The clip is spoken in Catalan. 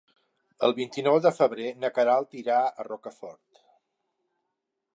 El vint-i-nou de febrer na Queralt irà a Rocafort.